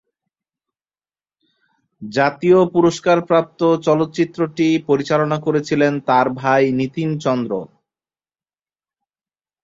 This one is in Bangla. জাতীয় পুরস্কারপ্রাপ্ত চলচ্চিত্রটি পরিচালনা করেছিলেন তার ভাই নিতিন চন্দ্র।